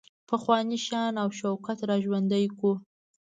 پخوانی شان او شوکت را ژوندی کړو.